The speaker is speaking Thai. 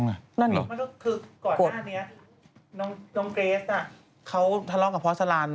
ก่อนหน้านี้น้องเกรซเขาทะเลาะกับพอสลั่น